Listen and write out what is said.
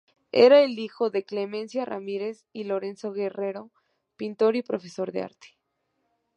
Era hijo de Clemencia Ramírez y Lorenzo Guerrero, pintor y profesor de arte.